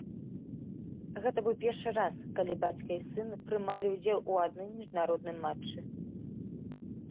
Гэта быў першы раз, калі бацька і сын прымалі ўдзел у адным міжнародным матчы.